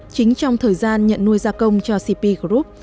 chính trong thời gian nhận nuôi gia công cho cp group